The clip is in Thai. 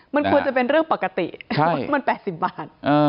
มันควรจะเป็นเรื่องปกติมัน๘๐บาท